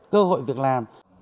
cơ hội việc làm